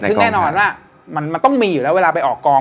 ซึ่งแน่นอนว่ามันต้องมีอยู่แล้วเวลาไปออกกอง